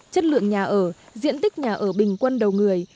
chất lượng nhà ở diện tích nhà ở bình quân đầu người